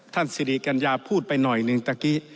ท่านสิริกัญญาพูดไปหน่อยหนึ่งตะกี้